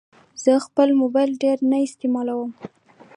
زه خپل موبایل ډېر نه استعمالوم.